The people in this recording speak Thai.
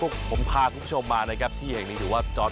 เอาล่ะเดินทางมาถึงในช่วงไฮไลท์ของตลอดกินในวันนี้แล้วนะครับ